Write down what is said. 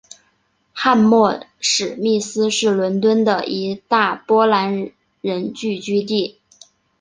汉默史密斯是伦敦的一大波兰人聚居地。